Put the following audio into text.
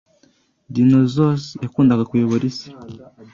Dinosaurs yakundaga kuyobora isi.